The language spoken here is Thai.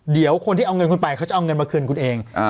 เดี๋ยวคนที่เอาเงินคุณไปเขาจะเอาเงินมาคืนคุณเอง